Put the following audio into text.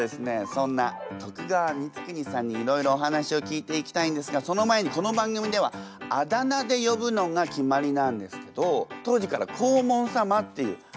そんな徳川光圀さんにいろいろお話を聞いていきたいんですがその前にこの番組ではあだ名でよぶのが決まりなんですけどハハッ